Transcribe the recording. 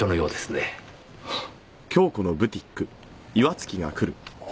はあ。